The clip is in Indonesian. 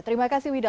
terima kasih widya